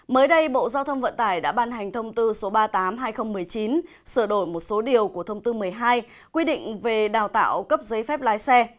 mới đây bộ giao thông vận tải đã ban hành thông tư số ba mươi tám hai nghìn một mươi chín sửa đổi một số điều của thông tư một mươi hai quy định về đào tạo cấp giấy phép lái xe